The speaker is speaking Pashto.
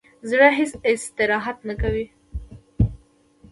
زړه هیڅ استراحت نه کوي